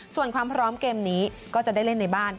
ส่วนความพร้อมเกมนี้ก็จะได้เล่นในบ้าน